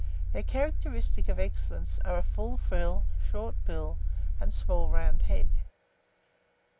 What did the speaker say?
Their characteristics of excellence are a full frill, short bill, and small round head.